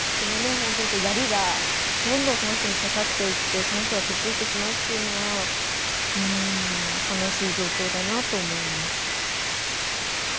ほんとに槍がどんどんその人にささっていってその人がきずついてしまうっていうのはかなしい状況だなと思います。